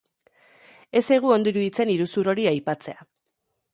Ez zaigu ondo iruditzen iruzur hori aipatzea.